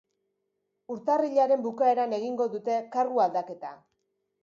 Urtarrilaren bukaeran egingo dute kargu aldaketa.